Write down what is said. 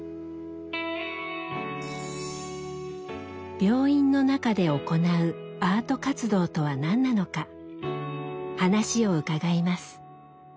病院の中で行う“アート活動”とは何なのか話を伺います。